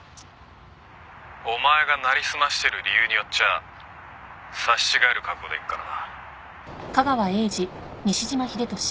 「お前がなりすましてる理由によっちゃ刺し違える覚悟でいくからな」